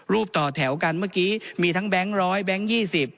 ต่อแถวกันเมื่อกี้มีทั้งแบงค์ร้อยแบงค์๒๐